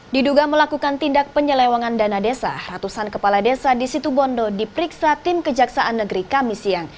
diduga melakukan tindak penyelewangan dana desa ratusan kepala desa di situ bondo diperiksa tim kejaksaan negeri kami siang